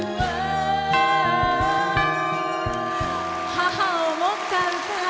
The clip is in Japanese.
母を思った歌。